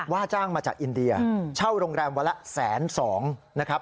ว่าจ้างมาจากอินเดียเช่าโรงแรมวันละแสนสองนะครับ